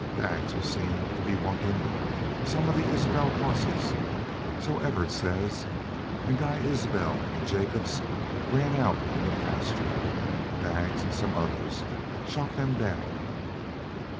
Daggs was seen to be wantin' some of the Isbel hosses, so Evarts says. An' Guy Isbel an' Jacobs ran out in the pasture. Daggs an' some others shot them down."